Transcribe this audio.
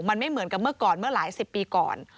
มันไม่เหมือนกับเมื่อก่อนเมื่อหลายสิบปีก่อน